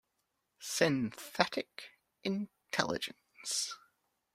Synthetic Intelligence.